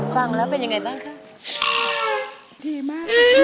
ฟังแล้วเป็นยังไงบ้างคะ